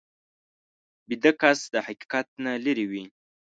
ویده کس د حقیقت نه لرې وي